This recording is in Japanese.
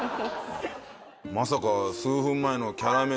まさか数分前の。